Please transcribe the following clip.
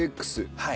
はい。